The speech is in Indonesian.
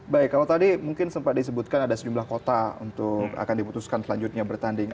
baik kalau tadi mungkin sempat disebutkan ada sejumlah kota untuk akan diputuskan selanjutnya bertanding